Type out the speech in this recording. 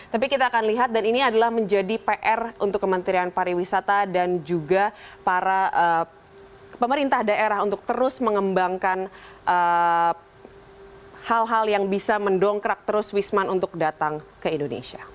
tapi kita akan lihat dan ini adalah menjadi pr untuk kementerian pariwisata dan juga para pemerintah daerah untuk terus mengembangkan hal hal yang bisa mendongkrak terus wisman untuk datang ke indonesia